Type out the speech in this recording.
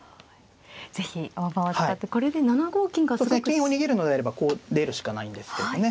金を逃げるのであればこう出るしかないんですけどね。